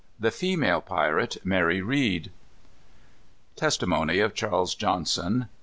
The Female Pirate, Mary Read. Testimony of Charles Johnson.